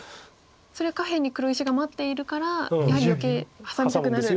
それは下辺に黒石が待っているからやはり余計ハサみたくなる。